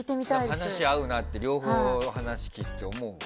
話し合うなって両方の話聞いてて思うわ。